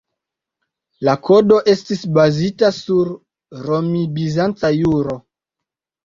La Kodo estis bazita sur romi-bizanca juro.